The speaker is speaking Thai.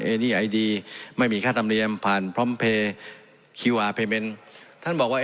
เอนี่ไอดีไม่มีค่าทำเรียมผ่านคิวอาร์เพย์เมนต์ท่านบอกว่า